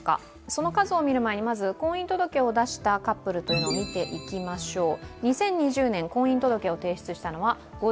その数を見る前に婚姻届を出したカップルの数を見ていきましょう。